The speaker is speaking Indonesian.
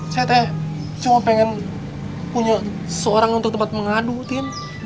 saya cuma pengen punya seorang untuk tempat mengadu tim